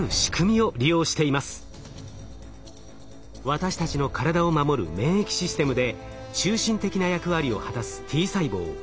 私たちの体を守る免疫システムで中心的な役割を果たすＴ細胞。